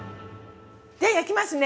◆じゃ、焼きますね。